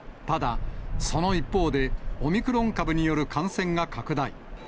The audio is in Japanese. ただ、その一方でオミクロン株による感染が拡大。